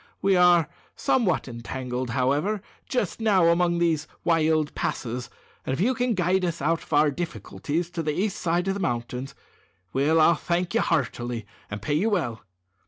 We are somewhat entangled, however, just now among these wild passes, and if you can guide us out of our difficulties to the east side of the mountains, I'll thank you heartily and pay you well.